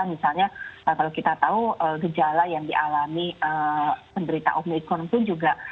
misalnya kalau kita tahu gejala yang dialami penderita omikron pun juga